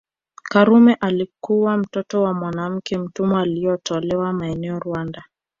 Karume alikuwa mtoto wa mwanamke mtumwa alietolewa maeneo Rwanda